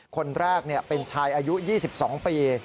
คนแรกเป็นชายอายุ๒๒ปี